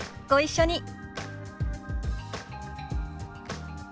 ご一緒に。